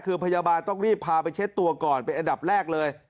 คือพยาบาลต้องรีบพาไปเช็ดตัวก่อนเป็นอันดับแรกเลย